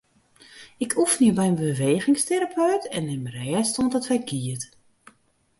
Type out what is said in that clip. Ik oefenje by in bewegingsterapeut en nim rêst oant it wer giet.